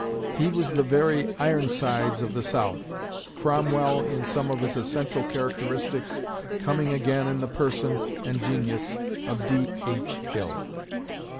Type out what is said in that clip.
He was the very "Ironsides" of the South Cromwell in some of his essential characteristics coming again in the person and genius of D. H. Hill.